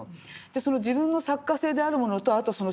その自分の作家性であるものとあとその